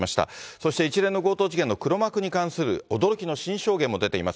そして一連の強盗事件の黒幕に関する驚きの新証言も出ています。